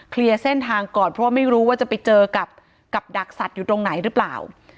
เส้นทางก่อนเพราะว่าไม่รู้ว่าจะไปเจอกับดักสัตว์อยู่ตรงไหนหรือเปล่า